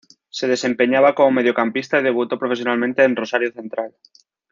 Se desempeñaba como mediocampista y debutó profesionalmente en Rosario Central.